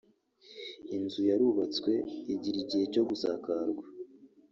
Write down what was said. Inzu yarubatswe igira igihe cyo gusakarwa